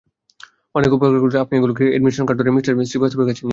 অনেক উপকার করলেন আপনি এগুলোকে এডমিশন কাউন্টারের মিস্টার শ্রীবাস্তবের কাছে নিয়ে যান।